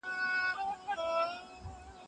هارولډ لاسکي ويلي وو چي بايد پوه سو څوک څه ګټي.